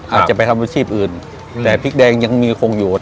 อาจจะไปทำอาชีพอื่นแต่พริกแดงยังมีคงอยู่